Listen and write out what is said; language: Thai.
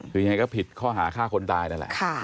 คือยังไงก็ผิดข้อหาฆ่าคนตายนั่นแหละ